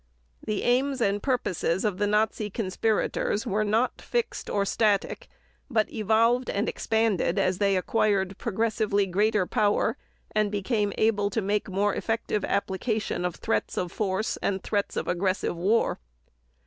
The aims and purposes of the Nazi conspirators were not fixed or static but evolved and expanded as they acquired progressively greater power and became able to make more effective application of threats of force and threats of aggressive war.